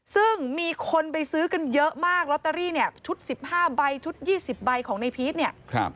ซึ่งมีคนไปซื้อกันเยอะมากลอตเตอรี่เนี่ยชุด๑๕ใบชุด๒๐ใบของในพีชเนี่ย